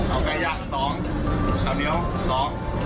เอาไก่ย่างสองข้าวเหนียวสอง